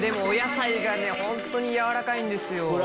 お野菜が本当に軟らかいんですよ。